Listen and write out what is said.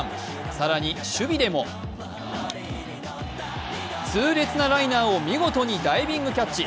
更に、守備でも痛烈なライナーを見事にダイビングキャッチ。